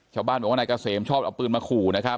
ชาวบ้านบอกว่านายเกษมชอบเอาปืนมาขู่นะครับ